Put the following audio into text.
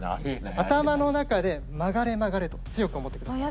頭の中で曲がれ曲がれと強く思ってください。